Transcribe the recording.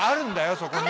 そこには！